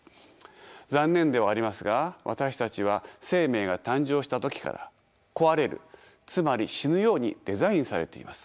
残念ではありますが私たちは生命が誕生した時から壊れるつまり死ぬようにデザインされています。